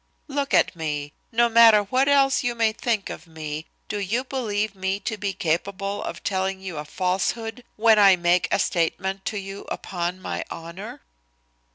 Look at me. No matter what else you may think of me do you believe me to be capable of telling you a falsehood when a make a statement to you upon my honor?"